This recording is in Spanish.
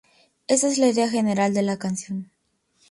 Esa es la idea general de la canción.